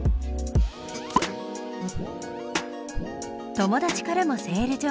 友達からもセール情報。